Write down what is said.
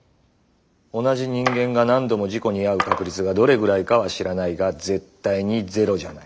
同じ人間が何度も事故に遭う確率がどれぐらいかは知らないが絶対にゼロじゃない。